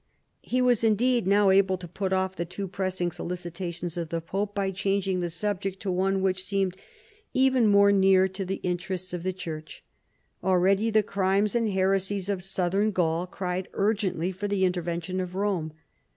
He was indeed now able to put off the too pressing solicitations of the pope by changing the subject to one which seemed even more near to the interests of the Church. Already the crimes and heresies of Southern Gaul cried urgently for the intervention of Rome.